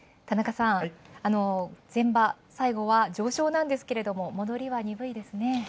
田中さん、前場、最後は、上昇なんですけど、戻りは鈍いですね。